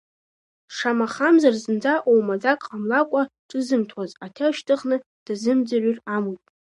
Шамахамзар, зынӡа оумаӡак ҟамлакәа ҿызымҭуаз, аҭел шьҭыхны дазымӡырҩыр амуит.